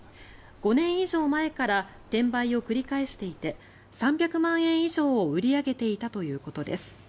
５年以上前から転売を繰り返していて３００万円以上を売り上げていたということです。